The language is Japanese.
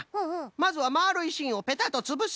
まずはまるいしんをペタッとつぶす。